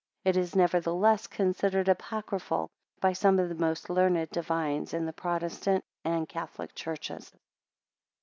It is, nevertheless considered apocryphal by some of the most learned divines in the Protestant and Catholic churches.